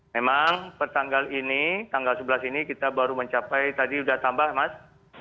memang pertanggal ini tanggal sebelas ini kita baru mencapai tadi sudah tambah mas